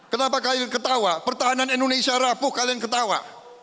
kenapa kalian ketawa pertahanan indonesia rapuh kalian ketawa